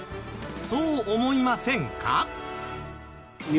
そう思いませんか？